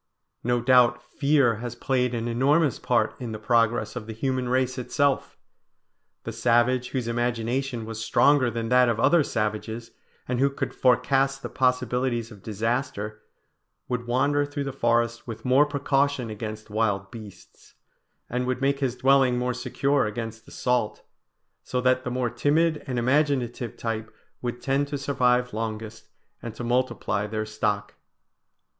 No doubt fear has played an enormous part in the progress of the human race itself. The savage whose imagination was stronger than that of other savages, and who could forecast the possibilities of disaster, would wander through the forest with more precaution against wild beasts, and would make his dwelling more secure against assault; so that the more timid and imaginative type would tend to survive longest and to multiply their stock.